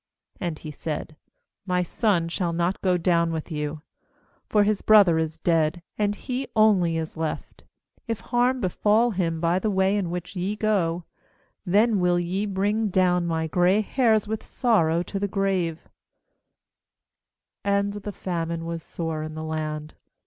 ' ^And he said :' My son shall not go down with you; for his brother is dead, and he only is left; if harm befall him by the way in which ye go, then will ye bring down my gray hairs with sorrow to the grave/ A O And the f amine was sore in the ^^ land.